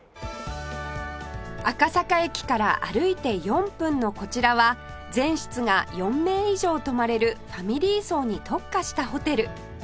赤坂駅から歩いて４分のこちらは全室が４名以上泊まれるファミリー層に特化したホテル